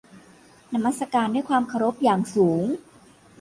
นมัสการด้วยความเคารพอย่างสูง